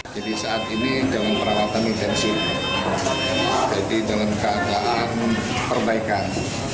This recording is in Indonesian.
saat ini dengan perawatan intensif jadi dalam keadaan perbaikan